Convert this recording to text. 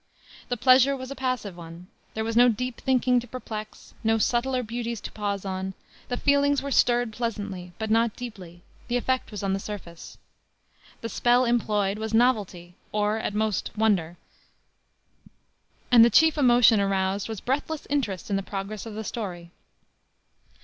The pleasure was a passive one. There was no deep thinking to perplex, no subtler beauties to pause upon; the feelings were stirred pleasantly, but not deeply; the effect was on the surface. The spell employed was novelty or, at most, wonder and the chief emotion aroused was breathless interest in the progress of the story.